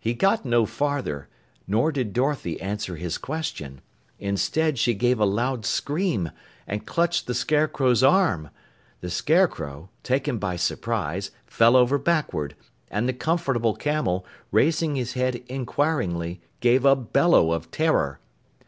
He got no farther, nor did Dorothy answer his question. Instead, she gave a loud scream and clutched the Scarecrow's arm. The Scarecrow, taken by surprise, fell over backward, and the Comfortable Camel, raising his head inquiringly, gave a bellow of terror.